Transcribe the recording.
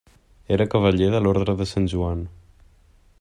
Era cavaller de l'Orde de Sant Joan.